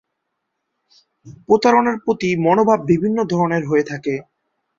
প্রতারণার প্রতি মনোভাব বিভিন্ন ধরনের হয়ে থাকে।